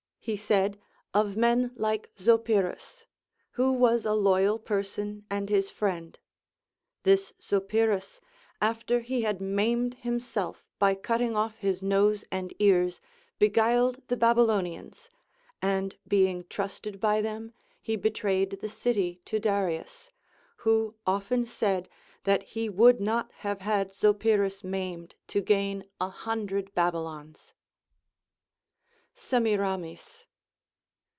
He said, Of men like Zopyrus, — Avho was a loyal person and his friend. This Zopyrus, after he had maimed himself by cutting off his nose and ears, beguiled the Babylonians ; and being trusted by them, he betrayed the city to Darius, who often said that he would not have had Zopyrus maimed to gain a hundred Babylons. Semiramis.